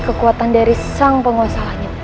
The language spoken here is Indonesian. kekuatan dari sang penguasa lanya